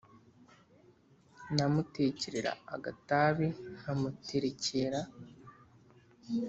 namutekerera agatabi nkamuterekera